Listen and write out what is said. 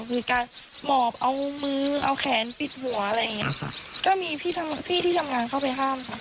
มีการหมอบเอามือเอาแขนปิดหัวอะไรอย่างเงี้ยค่ะก็มีพี่ทั้งพี่ที่ทำงานเข้าไปห้ามค่ะ